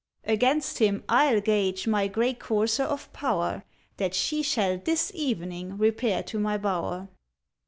ŌĆØ ŌĆ£Against him IŌĆÖll gage my grey courser of power, That she shall this evening repair to my bower.